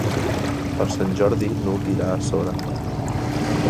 Per Sant Jordi n'Hug irà a Sora.